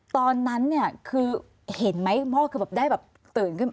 ตอนนั้นเนี่ยคือเห็นไหมคุณพ่อคือแบบได้แบบตื่นขึ้นมา